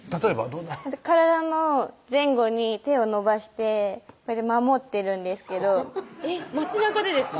どんな体の前後に手を伸ばして守ってるんですけどえっ街中でですか？